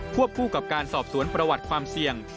คู่กับการสอบสวนประวัติความเสี่ยง